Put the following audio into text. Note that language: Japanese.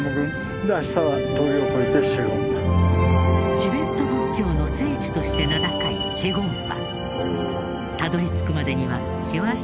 チベット仏教の聖地として名高いシェ・ゴンパ。